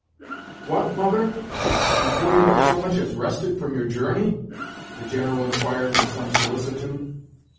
"What, mother? Before you have so much as rested from your journey?" the General inquired with some solicitude.